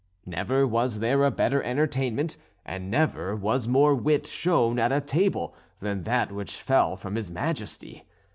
Never was there a better entertainment, and never was more wit shown at a table than that which fell from his Majesty.